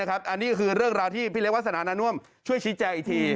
อันนี้คือเรื่องราวที่พี่เล็กวาสนานาน่วมช่วยชี้แจงอีกที